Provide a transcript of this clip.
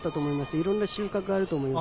いろんな収穫があると思います。